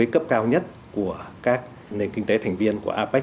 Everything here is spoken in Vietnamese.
cấp cao nhất của các nền kinh tế thành viên của apec